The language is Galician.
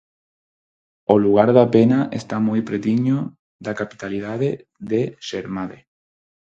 O lugar da Pena está moi pretiño da capitalidade de Xermade.